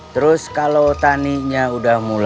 terus kalau taninya udah mulai